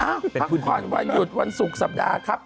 พักผ่อนวันหยุดวันศุกร์สัปดาห์ครับ